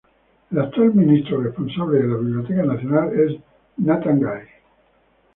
El actual Ministro Responsable de la Biblioteca Nacional es Nathan Guy.